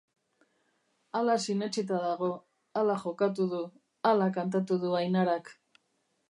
Hala sinetsita dago, hala jokatu du, hala kantatu du Ainarak.